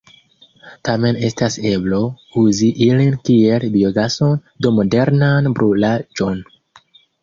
Tamen estas eblo uzi ilin kiel biogason, do modernan brulaĵon.